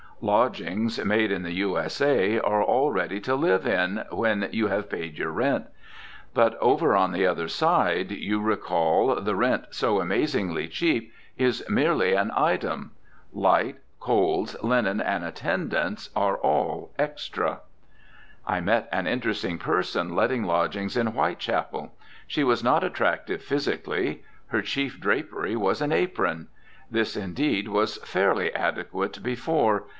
Lodgings made in the U.S.A. are all ready to live in, when you have paid your rent. But over on the other side, you recall, the rent, so amazingly cheap, is merely an item. Light, "coals," linen, and "attendance" are all "extra." I met an interesting person letting lodgings in Whitechapel. She was not attractive physically. Her chief drapery was an apron. This, indeed, was fairly adequate before.